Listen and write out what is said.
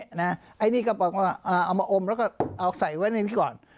ไอเงี้เนี่ยก็บอกว่าเอามาอมแล้วออกใส่ไว้กันอีกนิดนึงก่อน